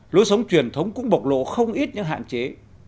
lối sống truyền thống cũng bộc lộ không ít những hạn chế